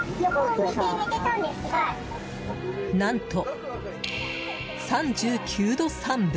何と、３９度３分。